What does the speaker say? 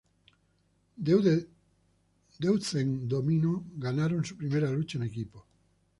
Deuce 'n Domino ganaron su primera lucha en equipo.